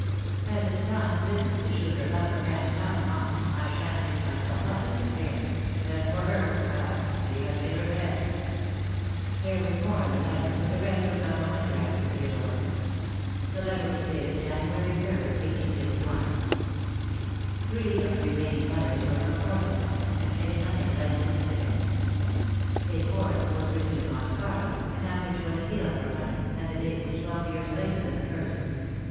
As it's Tom business to shoot her lover, and not mine, I shan't mix myself up in the affair — and as for her, well, she has made her bed !" There was more in the letter, but the rest was of no interest to Theodore. THE DAY WILL COME. I 99 The letter was dated January 3rd, 1851. Three of the remaining letters were from Corsica, and contained nothing of any significance. A fourth was written at Monte Carlo, in answer to an appeal for money, and the date was twelve years later than the first.